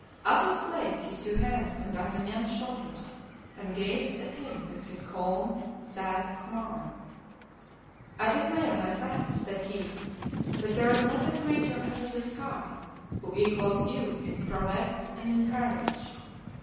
Athos placed his two hands on D'Artagnan's shoulders, and gazed at him with his calm, sad smile. "I declare, my friend," said he, "that there is not a creature under the sky who equals you in prowess and in courage.